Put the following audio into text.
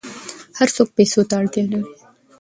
هر څوک پیسو ته اړتیا لري.